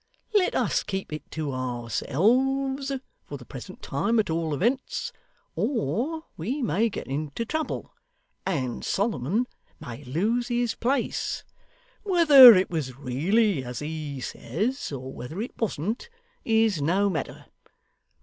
Let us keep it to ourselves for the present time at all events, or we may get into trouble, and Solomon may lose his place. Whether it was really as he says, or whether it wasn't, is no matter.